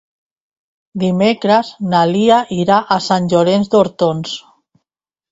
Dimecres na Lia irà a Sant Llorenç d'Hortons.